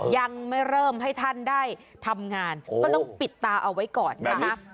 ยังไม่เริ่มให้ท่านได้ทำงานก็ต้องปิดตาเอาไว้ก่อนนะคะ